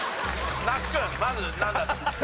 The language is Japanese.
那須君まずなんだと？